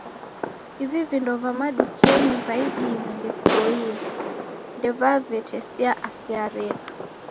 Ivi vindo va madukenyi va idime ndeviboie, ndevavetesia afya redu